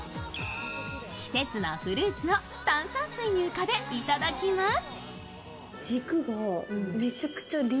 季節のフルーツを炭酸水に浮かべ、頂きます。